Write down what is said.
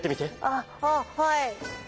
あっはっはい。